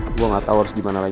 gue gak tau harus gimana lagi